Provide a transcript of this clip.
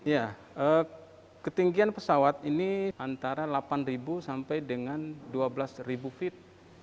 ya ketinggian pesawat ini antara delapan sampai dengan dua belas feet